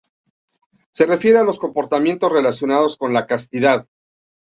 Se refiere a los comportamientos relacionados con la castidad.